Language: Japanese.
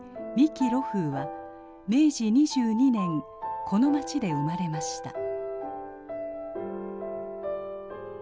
三木露風は明治２２年この町で生まれました。